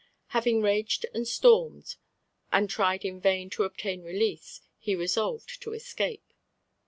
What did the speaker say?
Having raged and stormed, and tried in vain to obtain release, he resolved to escape.